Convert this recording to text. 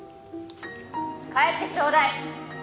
・帰ってちょうだい！